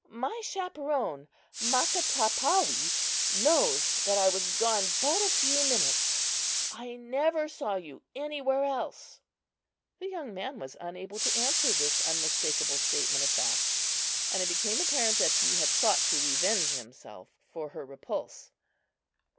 My chaperon, Makatopawee, knows that I was gone but a few minutes. I never saw you anywhere else." The young man was unable to answer this unmistakable statement of facts, and it became apparent that he had sought to revenge himself for her repulse.